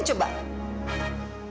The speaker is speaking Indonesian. dan memurah hubungan